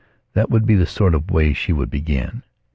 That would be the sort of way she would begin.